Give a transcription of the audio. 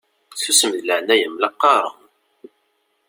Susem deg leɛnaya-m la qqaṛen!